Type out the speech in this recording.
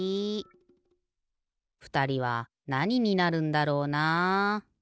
ふたりはなにになるんだろうな？